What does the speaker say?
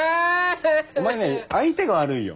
お前ね相手が悪いよ。